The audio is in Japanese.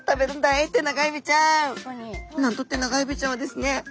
なんとテナガエビちゃんはですね